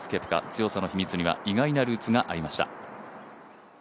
強さの秘密には意外なルーツがありました。